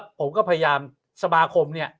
ผมก็พยายามสมาคมเนี่ย